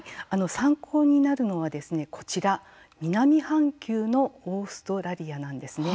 参考になるのはですねこちら、南半球のオーストラリアなんですね。